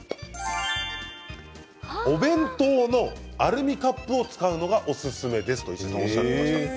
お弁当のアルミカップを使うのがおすすめですとおっしゃっていました。